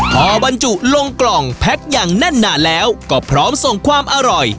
พอบรรจุลงกล่องแพ็คอย่างแน่นหนาแล้วก็พร้อมส่งความอร่อย